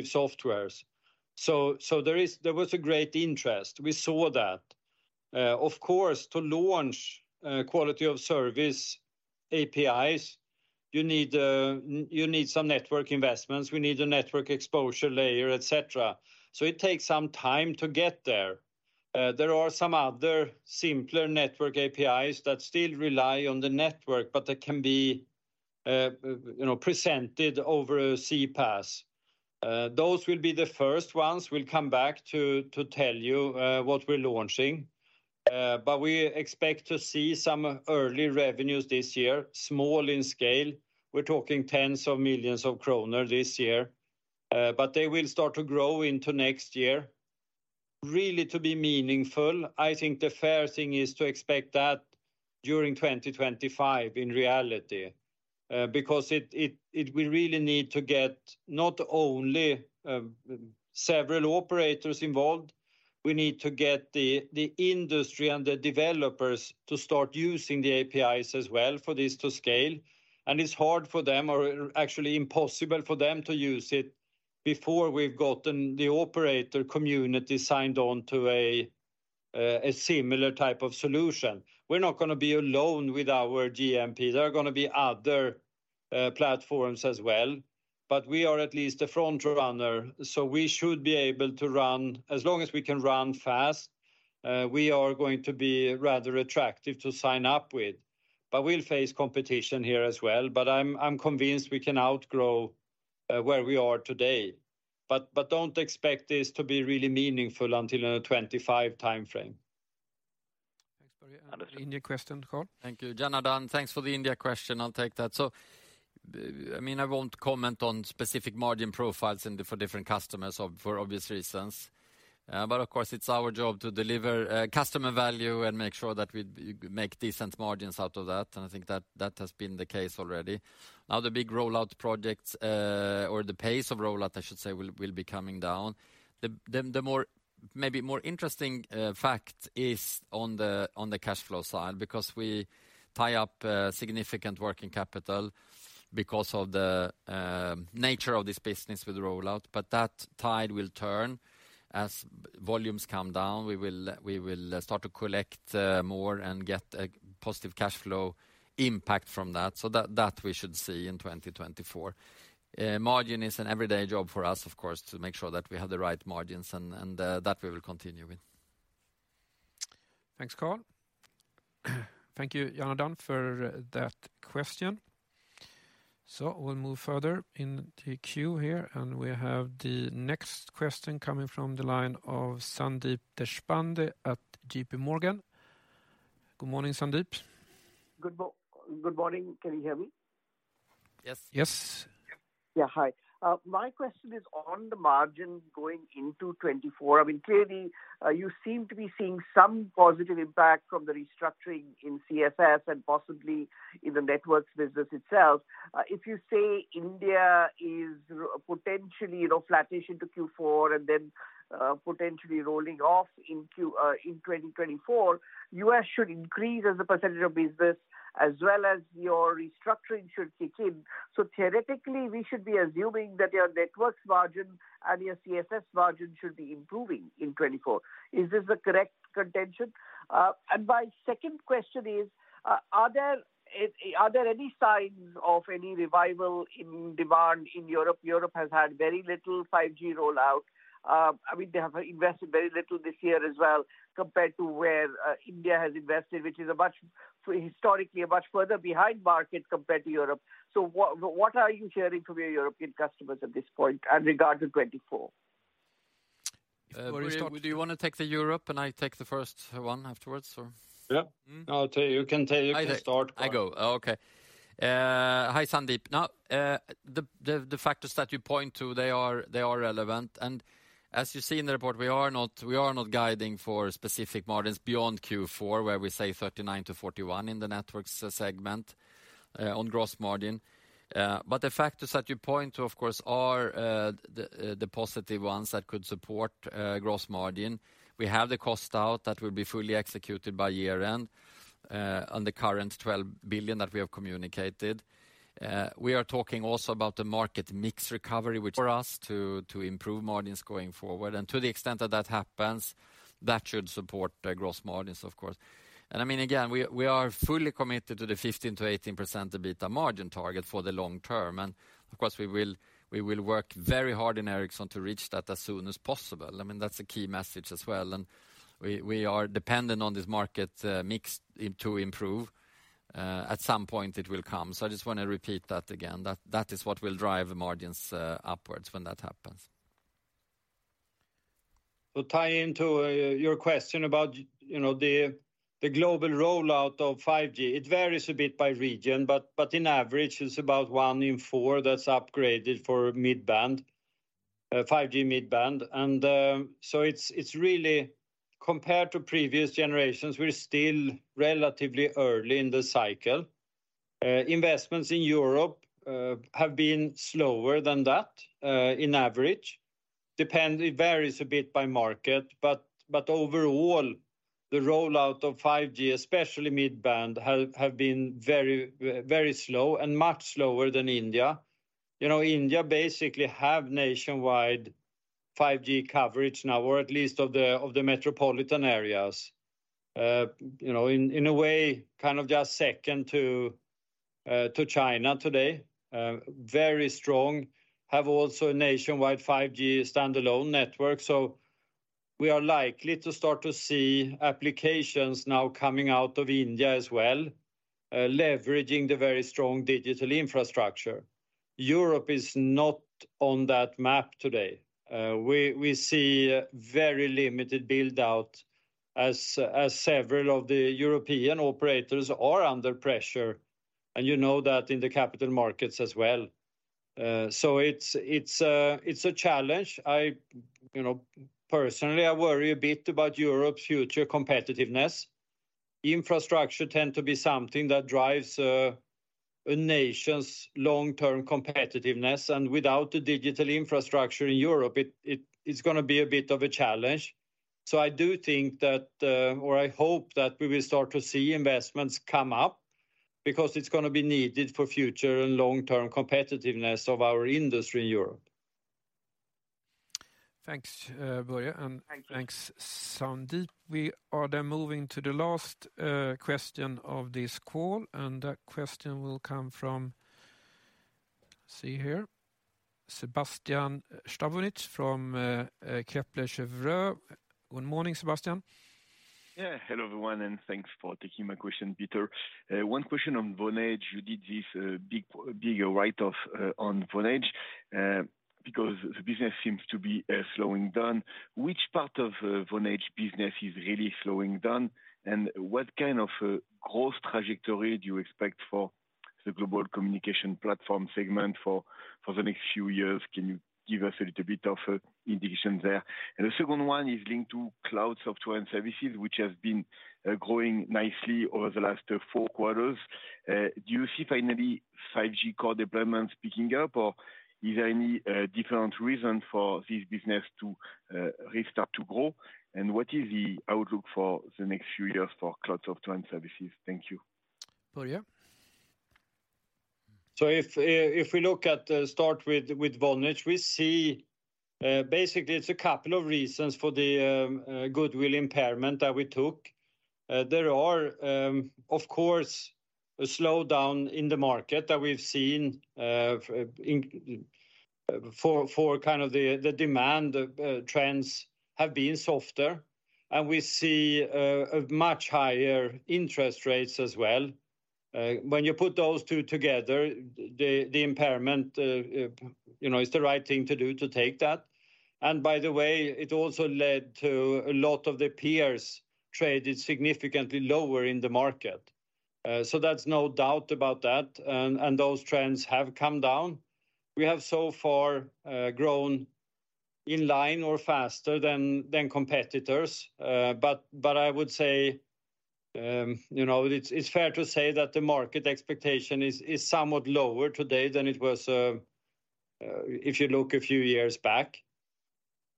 softwares. So there was a great interest. We saw that. Of course, to launch Quality-on-Service APIs, you need some network investments. We need a Network Exposure Layer, et cetera. So it takes some time to get there. There are some other simpler Network APIs that still rely on the network, but that can be, you know, presented over a CPaaS. Those will be the first ones. We'll come back to tell you what we're launching. But we expect to see some early revenues this year, small in scale. We're talking tens of millions of SEK this year, but they will start to grow into next year. Really, to be meaningful, I think the fair thing is to expect that during 2025, in reality. Because we really need to get not only several operators involved, we need to get the industry and the developers to start using the APIs as well for this to scale. And it's hard for them, or actually impossible for them to use it before we've gotten the operator community signed on to a similar type of solution. We're not gonna be alone with our GNP. There are gonna be other platforms as well, but we are at least a frontrunner, so we should be able to run. As long as we can run fast, we are going to be rather attractive to sign up with. But we'll face competition here as well. But, but don't expect this to be really meaningful until the 2025 timeframe. Thanks, Börje. An India question, Carl? Thank you. Janardan, thanks for the India question. I'll take that. So, I mean, I won't comment on specific margin profiles and for different customers, for obvious reasons. But of course, it's our job to deliver customer value and make sure that we make decent margins out of that, and I think that has been the case already. Now, the big rollout projects, or the pace of rollout, I should say, will be coming down. The more, maybe more interesting fact is on the cash flow side, because we tie up significant working capital because of the nature of this business with the rollout. But that tide will turn. As volumes come down, we will start to collect more and get a positive cash flow impact from that. So that we should see in 2024. Margin is an everyday job for us, of course, to make sure that we have the right margins, and that we will continue with. Thanks, Carl. Thank you, Janardan, for that question. We'll move further in the queue here, and we have the next question coming from the line of Sandeep Deshpande at JPMorgan. Good morning, Sandeep. Good morning. Can you hear me? Yes. Yes. Yeah. Hi. My question is on the margin going into 2024. I mean, clearly, you seem to be seeing some positive impact from the restructuring in CSS and possibly in the Networks business itself. If you say India is potentially, you know, flat-ish into Q4 and then, potentially rolling off in Q, in 2024, U.S. should increase as a percentage of business, as well as your restructuring should kick in. So theoretically, we should be assuming that your Networks margin and your CSS margin should be improving in 2024. Is this the correct contention? And my second question is, are there any signs of any revival in demand in Europe? Europe has had very little 5G rollout. I mean, they have invested very little this year as well, compared to where India has invested, which is a much, historically, a much further behind market compared to Europe. So what, what are you hearing from your European customers at this point and regard to 2024? Do you wanna take the Europe, and I take the first one afterwards, or? Yeah. I'll tell you. You can tell. You can start. I go. Oh, okay. Hi, Sandeep. Now, the factors that you point to, they are relevant. And as you see in the report, we are not guiding for specific margins beyond Q4, where we say 39-41 in the Networks segment, on gross margin. But the factors that you point to, of course, are the positive ones that could support gross margin. We have the cost out that will be fully executed by year-end, on the current 12 billion that we have communicated. We are talking also about the market mix recovery, which for us to improve margins going forward. And to the extent that that happens, that should support the gross margins, of course. And I mean, again, we are fully committed to the 15%-18% EBITDA margin target for the long term. Of course, we will work very hard in Ericsson to reach that as soon as possible. I mean, that's a key message as well, and we are dependent on this market mix it to improve. At some point it will come. So I just wanna repeat that again, that that is what will drive the margins upwards when that happens. We'll tie into your question about, you know, the global rollout of 5G. It varies a bit by region, but, but on average, it's about one in four that's upgraded for mid-band 5G mid-band. And, so it's, it's really compared to previous generations, we're still relatively early in the cycle. Investments in Europe have been slower than that on average. Depends, it varies a bit by market, but, but overall, the rollout of 5G, especially mid-band, have, have been very very slow and much slower than India. You know, India basically have nationwide 5G coverage now, or at least of the metropolitan areas. You know, in, in a way, kind of just second to to China today. Very strong. have also a nationwide 5G Standalone network, so we are likely to start to see applications now coming out of India as well, leveraging the very strong digital infrastructure. Europe is not on that map today. We see very limited build-out as several of the European operators are under pressure, and you know that in the capital markets as well. So it's a challenge. You know, personally, I worry a bit about Europe's future competitiveness. Infrastructure tends to be something that drives a nation's long-term competitiveness, and without the digital infrastructure in Europe, it is gonna be a bit of a challenge. So I do think that, or I hope that we will start to see investments come up, because it's gonna be needed for future and long-term competitiveness of our industry in Europe. Thanks, Börje. Thank you. Thanks, Sandeep. We are then moving to the last question of this call, and that question will come from Sébastien Sztabowicz from Kepler Cheuvreux. Good morning, Sebastian. Yeah. Hello, everyone, and thanks for taking my question, Peter. One question on Vonage. You did this big, big write-off on Vonage because the business seems to be slowing down. Which part of Vonage business is really slowing down, and what kind of growth trajectory do you expect for the Global Communications Platform segment for the next few years? Can you give us a little bit of indication there? And the second one is linked to Cloud Software and Services, which have been growing nicely over the last four quarters. Do you see finally 5G Core deployments picking up, or is there any different reason for this business to restart to grow? And what is the outlook for the next few years for Cloud Software and Services? Thank you. Börje? So if we look at, start with Vonage, we see basically it's a couple of reasons for the goodwill impairment that we took. There are of course a slowdown in the market that we've seen for kind of the demand trends have been softer, and we see a much higher interest rates as well. When you put those two together, the impairment you know is the right thing to do to take that. And by the way, it also led to a lot of the peers traded significantly lower in the market. So that's no doubt about that. And those trends have come down. We have so far grown in line or faster than competitors. But I would say, you know, it's fair to say that the market expectation is somewhat lower today than it was, if you look a few years back.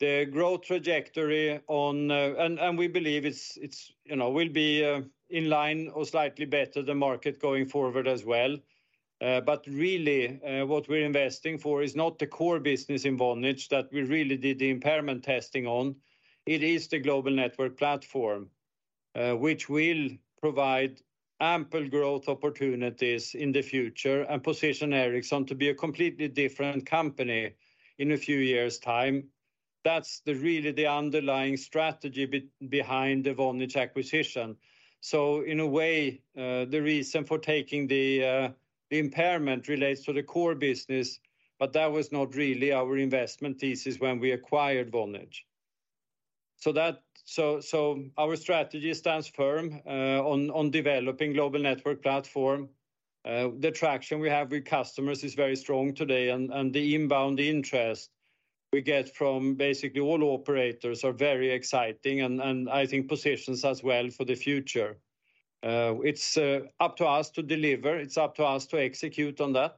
The growth trajectory on. And we believe it's, you know, will be in line or slightly better the market going forward as well. But really, what we're investing for is not the core business in Vonage that we really did the impairment testing on. It is the Global Network Platform, which will provide ample growth opportunities in the future and position Ericsson to be a completely different company in a few years' time. That's really the underlying strategy behind the Vonage acquisition. So in a way, the reason for taking the, the impairment relates to the core business, but that was not really our investment thesis when we acquired Vonage. So that. So, so our strategy stands firm, on developing Global Network Platform. The traction we have with customers is very strong today, and, and the inbound interest we get from basically all operators are very exciting and, and I think positions us well for the future. It's, up to us to deliver. It's up to us to execute on that,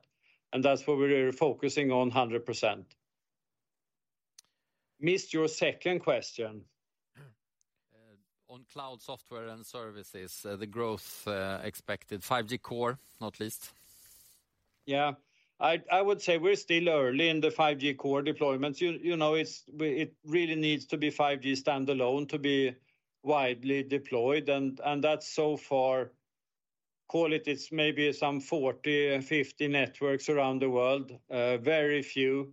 and that's what we're focusing on 100%. Missed your second question. On cloud software and services, the growth expected, 5G Core not least. Yeah. I would say we're still early in the 5G Core deployments. You know, it really needs to be 5G Standalone to be widely deployed, and that's so far, call it, it's maybe some 40, 50 networks around the world. Very few.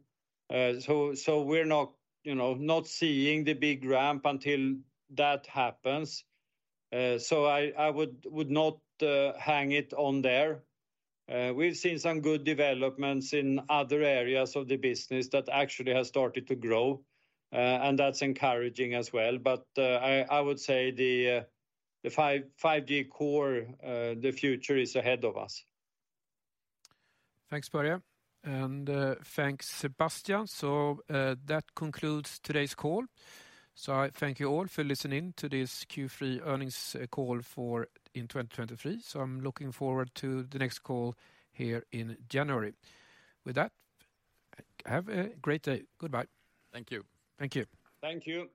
So we're not, you know, not seeing the big ramp until that happens. So I would not hang it on there. We've seen some good developments in other areas of the business that actually has started to grow, and that's encouraging as well. But I would say the 5G Core, the future is ahead of us. Thanks, Börje, and thanks, Sebastian. So that concludes today's call. I thank you all for listening to this Q3 earnings call for in 2023. I'm looking forward to the next call here in January. With that, have a great day. Goodbye. Thank you. Thank you. Thank you.